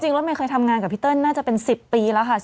รถเมย์เคยทำงานกับพี่เติ้ลน่าจะเป็น๑๐ปีแล้วค่ะ